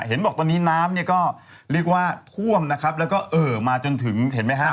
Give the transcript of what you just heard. เห็นบอกตอนนี้น้ำเนี่ยก็เรียกว่าท่วมนะครับแล้วก็เอ่อมาจนถึงเห็นไหมฮะ